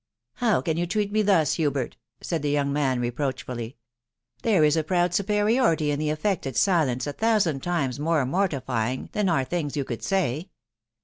" How can you treat me thus, Hubert? ".... said the young man reproachfully. " There is a proud superiority in this affected silence a thousand times more mortifying than any thing you could say.